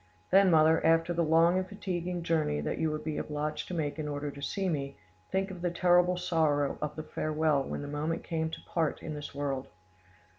Then, mother, after the long and fatiguing journey that you would be obliged to make in order to see me, think of the terrible sorrow of the farewell when the moment came to part in this world.